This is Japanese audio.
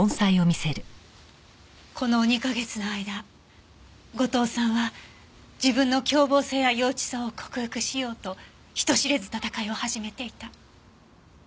この２カ月の間後藤さんは自分の凶暴性や幼稚さを克服しようと人知れず戦いを始めていた。